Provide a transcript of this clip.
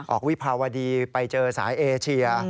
วิภาวดีไปเจอสายเอเชีย